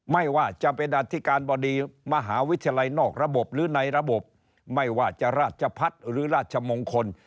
ไม่ว่าจะเป็นอธิการบดีมหาวิทยาลัยนอกระบบหรือในระบบไม่ว่าจะราชพัฒน์หรือราชมงคล